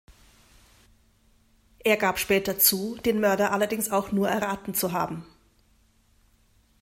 Er gab später zu, den Mörder allerdings auch nur erraten zu haben.